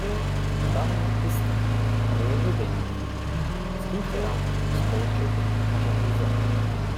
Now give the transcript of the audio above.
— Давня істина. Але я відаю її. Скільки раті сполчити може Гейзо?